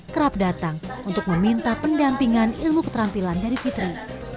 kerap datang untuk meminta pendampingan ilmu keterampilan dari fitri